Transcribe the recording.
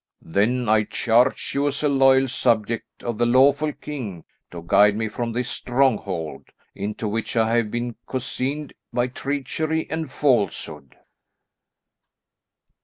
"Then I charge you as a loyal subject of the lawful king, to guide me from this stronghold, into which I have been cozened by treachery and falsehood."